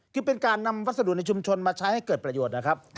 คือเป็นการนำวัสดุในชุมชนมาใช้ให้เกิดประโยชน์นะครับ